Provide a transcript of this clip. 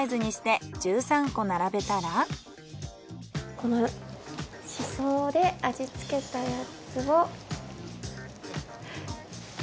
このしそで味付けたやつを。